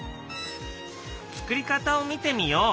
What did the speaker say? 作り方を見てみよう！